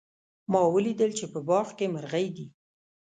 ما ولیدل چې په باغ کې مرغۍ دي